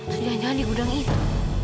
tuh jalan jalan di gudang itu